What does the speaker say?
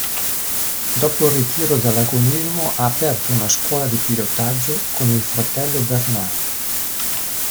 Dopo il ritiro dall'agonismo ha aperto una scuola di pilotaggio con il fratello Bernard.